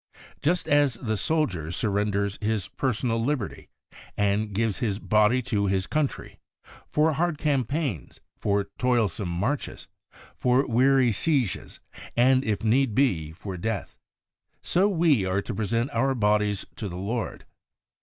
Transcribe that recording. Just as the soldier surrenders his personal liberty, and gives his body to his country, for hard campaigns, for toilsome marches, for weary sieges, and, if need be, for death, so we are to present our bodies to the Lord.